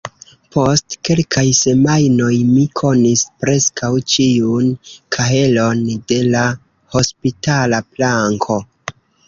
Post kelkaj semajnoj, mi konis preskaŭ ĉiun kahelon de la hospitala planko.